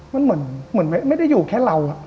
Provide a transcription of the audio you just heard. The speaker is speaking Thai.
เป็นเหมือนมันไม่ได้อยู่แค่เรา